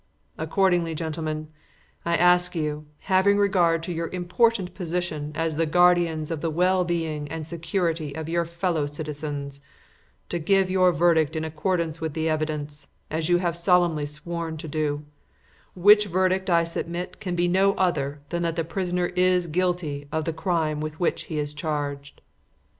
Accordingly, gentlemen, I ask you, having regard to your important position as the guardians of the well being and security of your fellow citizens, to give your verdict in accordance with the evidence, as you have solemnly sworn to do; which verdict, I submit, can be no other than that the prisoner is guilty of the crime with which he is charged."